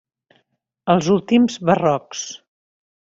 Els últims barrocs.